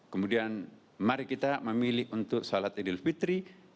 kemudian mari kita memilih untuk salat idil fitri